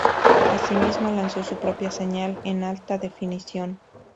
Así mismo, lanzó su propia señal en alta definición.